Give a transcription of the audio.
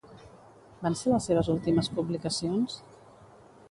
Van ser les seves últimes publicacions?